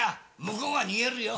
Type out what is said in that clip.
向こうが逃げるよ。